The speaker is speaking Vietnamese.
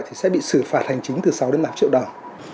thì sẽ bị xử phạt hành chính từ sáu đến tám triệu đồng